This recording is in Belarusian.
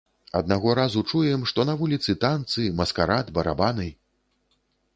Аднаго разу чуем, што на вуліцы танцы, маскарад, барабаны.